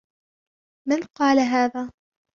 من قال هذا ؟